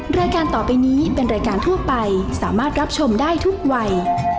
รายการต่อไปนี้เป็นรายการทั่วไปสามารถรับชมได้ทุกวัย